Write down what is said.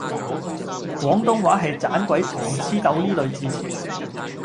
廣東話係盞鬼糖黐豆呢類字詞